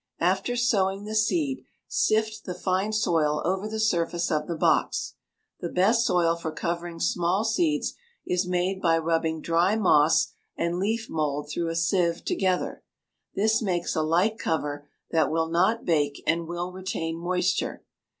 After sowing the seed, sift the fine soil over the surface of the box. The best soil for covering small seeds is made by rubbing dry moss and leaf mold through a sieve together. This makes a light cover that will not bake and will retain moisture.